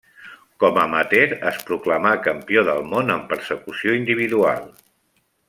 Com amateur, es proclamà campió del món en Persecució individual.